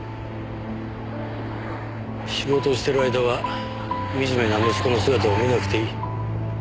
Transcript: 仕事をしてる間は惨めな息子の姿を見なくていい。